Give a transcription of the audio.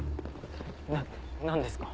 な何ですか？